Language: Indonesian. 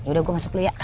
udah gua masuk dulu ya